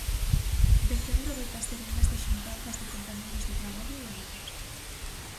Decembro adoita ser un mes de xuntanzas de compañeiros de traballo e amigos.